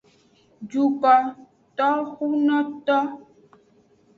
Dukotoxunoto.